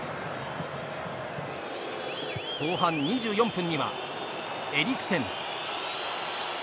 後半２４分にはエリクセン。